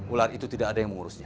ular itu tidak ada yang mengurusnya